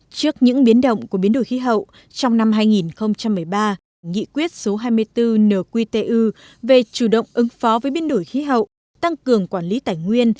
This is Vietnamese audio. trước những biến động của biến đổi khí hậu trong năm hai nghìn một mươi ba nghị quyết số hai mươi bốn nqtu về chủ động ứng phó với biến đổi khí hậu tăng cường quản lý tài nguyên